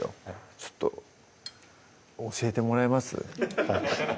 ちょっと教えてもらえます？